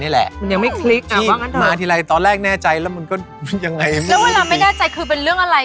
แล้วเวลาไม่แน่ใจคือเป็นเรื่องอะไร